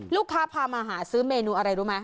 ลูกค้าพามาหาซื้อเมนูอะไรรู้ไหม